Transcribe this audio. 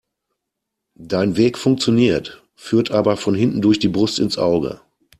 Dein Weg funktioniert, führt aber von hinten durch die Brust ins Auge.